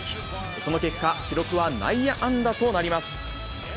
その結果、記録は内野安打となります。